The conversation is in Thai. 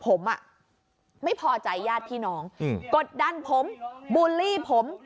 ผมไม่พอใจญาติพี่น้องกดดันผมบูลลี่ผม